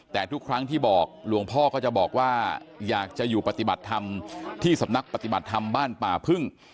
แต่ทุกครั้งที่บอกหลวงพ่อก็จะบอกว่าอยากจะอยู่ปฏิบัติธรรมที่สำนักปฏิบัติธรรมบ้านป่าพึ่ง